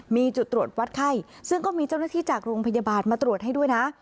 มีจุดตรวจวัดไข้ซึ่งก็มีเจ้าหน้าที่จากโรงพยาบาลมาตรวจให้ด้วยนะ